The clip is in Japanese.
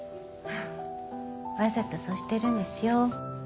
わざとそうしてるんですよ。